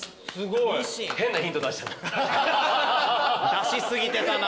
出し過ぎてたな。